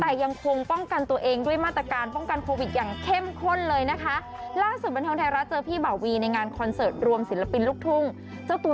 แต่ยังคงป้องกันตัวเองด้วยมาตรการป้องกันโควิดอย่างเข้มข้นเลยนะคะ